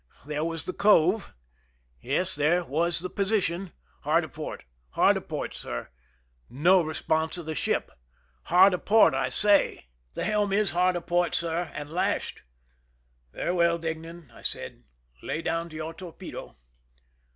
There was the cove. Yes ; there was the position !" Hard aport !"" Hard aport, sir." No response of the ship !" Hard aport, I say !" "The 94 ( i I THE RUN IN helm is hard aport, sii^, and lashed." " Very well, Deignan," I said ;" lay down to your torpedo."